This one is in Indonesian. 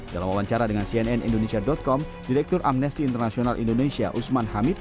dalam wawancara dengan cnn indonesia com direktur amnesty international indonesia usman hamid